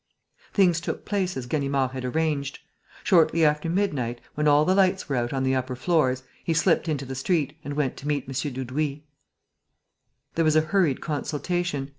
Things took place as Ganimard had arranged. Shortly after midnight, when all the lights were out on the upper floors, he slipped into the street and went to meet M. Dudouis. There was a hurried consultation.